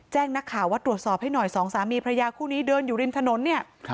นักข่าวว่าตรวจสอบให้หน่อยสองสามีพระยาคู่นี้เดินอยู่ริมถนนเนี่ย